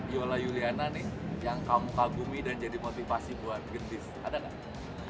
yola yuliana nih yang kamu kagumi dan jadi motivasi buat gendis ada gak